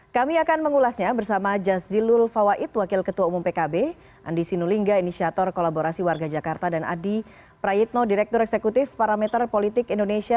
kami akan mengulasnya bersama jazilul fawait wakil ketua umum pkb andi sinulinga inisiator kolaborasi warga jakarta dan adi prayitno direktur eksekutif parameter politik indonesia